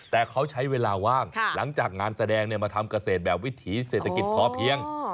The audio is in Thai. แต่เขาใช้เวลาว่างหลังจากงานแสดงมาทำเกษตรแบบวิถีเศรษฐกิจพอเพียง